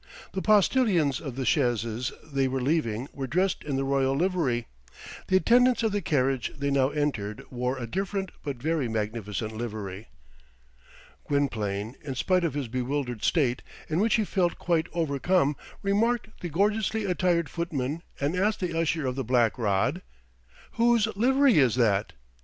The postilions of the chaises they were leaving were dressed in the royal livery. The attendants of the carriage they now entered wore a different but very magnificent livery. Gwynplaine, in spite of his bewildered state, in which he felt quite overcome, remarked the gorgeously attired footmen, and asked the Usher of the Black Rod, "Whose livery is that?"